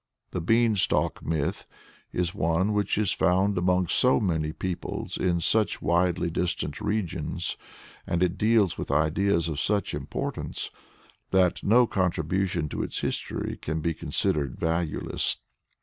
The Beanstalk myth is one which is found among so many peoples in such widely distant regions, and it deals with ideas of such importance, that no contribution to its history can be considered valueless.